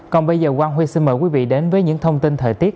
còn bây giờ quang huy xin mời quý vị đến với những thông tin thời tiết